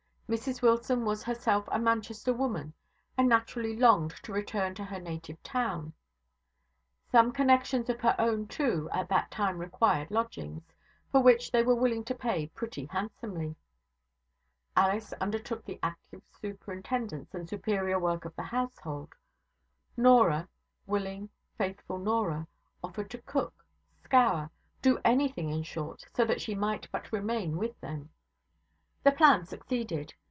Mrs Wilson was herself a Manchester woman, and naturally longed to return to her native town; some connexions of her own, too, at that time required lodgings, for which they were willing to pay pretty handsomely. Alice undertook the active superintendence and superior work of the household; Norah willing, faithful Norah offered to cook, scour, do anything in short, so that she might but remain with them. The plan succeeded.